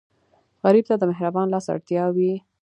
غریب ته د مهربان لاس اړتیا وي